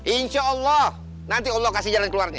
insya allah nanti allah kasih jalan ke luar sana